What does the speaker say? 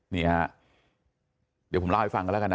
นี่ฮะเดี๋ยวผมเล่าให้ฟังกันแล้วกันนะ